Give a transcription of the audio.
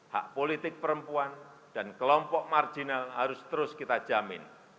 hak politik perempuan dan kelompok marginal harus terus kita jamin